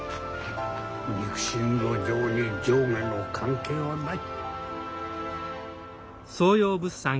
肉親の情に上下の関係はない。